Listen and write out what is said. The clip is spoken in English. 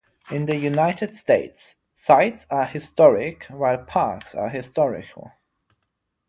In the United States, sites are "historic", while parks are "historical".